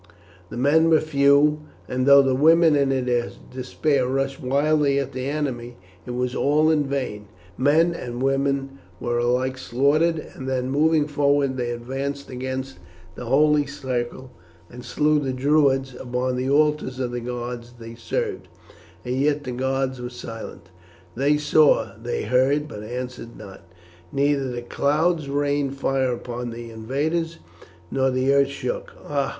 The men were few, and though the women in their despair rushed wildly at the enemy, it was all in vain; men and women were alike slaughtered; and then, moving forward, they advanced against the holy circle and slew the Druids upon the altars of the gods they served, and yet the gods were silent. They saw, they heard, but answered not; neither the clouds rained fire upon the invaders nor the earth shook. Ah!